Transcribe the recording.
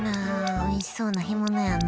おいしそうな干物やな。